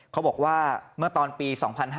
เขาบอกว่าเมื่อตอนปี๒๕๕๙